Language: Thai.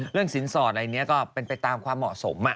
สินสอดอะไรนี้ก็เป็นไปตามความเหมาะสม